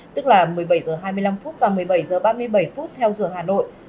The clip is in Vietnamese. tức là một mươi bảy h hai mươi năm và một mươi bảy h ba mươi bảy phút theo giờ hà nội